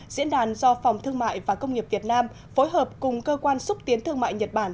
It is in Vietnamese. diễn đàn do phòng thương mại và công nghiệp việt nam phối hợp cùng cơ quan xúc tiến thương mại nhật bản